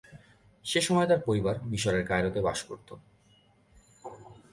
সে সময়ে তার পরিবার মিশরের কায়রোতে বাস করতো।